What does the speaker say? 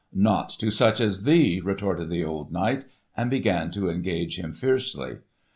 "Not to such as thee!" retorted the old knight, and began to engage him fiercely.